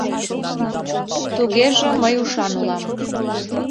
Тугеже, мый ушан улам.